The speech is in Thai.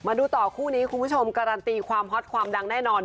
มาดูต่อคู่นี้คุณผู้ชมการันตีความฮอตความดังแน่นอน